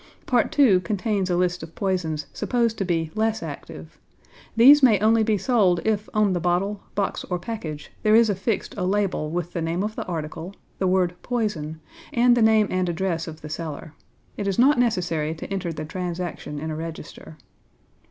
Part II. contains a list of poisons supposed to be less active. These may only be sold if on the bottle, box, or package there is affixed a label with the name of the article, the word 'Poison,' and the name and address of the seller. It is not necessary to enter the transaction in a register.